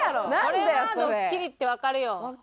これはドッキリってわかるよ。